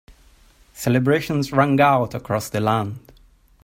Celebrations rang out across the land.